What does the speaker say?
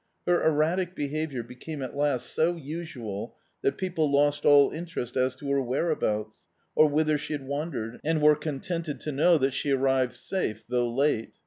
Her erratic behaviour became at last so usual that people lost all interest as to her whereabouts, or whidier she had wandered, and were contented to know that she arrived safe, thou^ late.